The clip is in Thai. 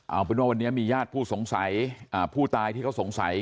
เอาเป็นว่าวันนี้มีญาติผู้สงสัยผู้ตายที่เขาสงสัย